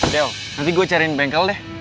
deo nanti gue cariin bengkel deh